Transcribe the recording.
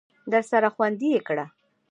درسره خوندي یې کړه !